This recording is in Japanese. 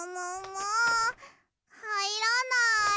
はいらない。